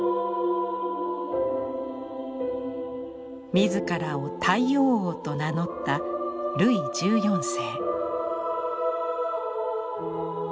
自らを「太陽王」と名乗ったルイ１４世。